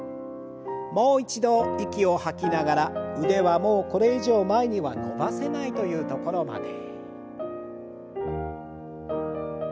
もう一度息を吐きながら腕はもうこれ以上前には伸ばせないという所まで。